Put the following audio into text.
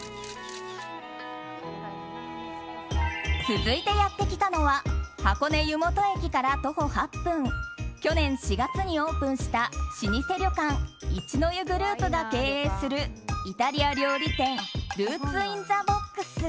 続いてやってきたのは箱根湯本駅から徒歩８分去年４月にオープンした老舗旅館一の湯グループが経営するイタリア料理店ＲｏｏｔｓｉｎｎｔｈｅＢｏｘ。